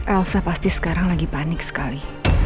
elsa pasti sekarang lagi panik sekali